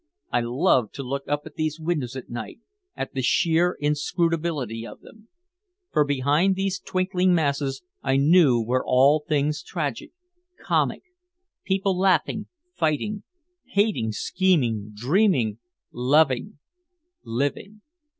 I loved to look up at these windows at night, at the sheer inscrutability of them. For behind these twinkling masses I knew were all things tragic, comic people laughing, fighting, hating, scheming, dreaming, loving, living.